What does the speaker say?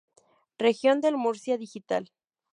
Región de Murcia Digital.